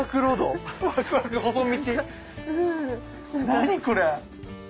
何これ⁉